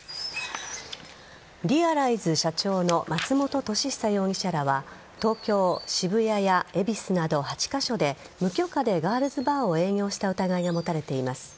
リアライズ社長の松本利久容疑者らは東京、渋谷や恵比寿など８カ所で無許可でガールズバーを営業した疑いが持たれています。